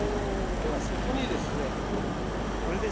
ではそこにですねこれです。